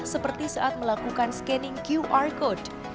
seperti saat melakukan scanning qr code